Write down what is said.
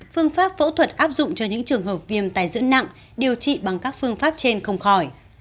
phương pháp phẫu thuật áp dụng cho những trường hợp viêm tài dưỡng nặng điều trị bằng các phương pháp trên không khỏi